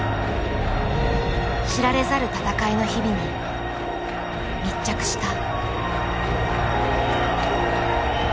知られざる闘いの日々に密着した。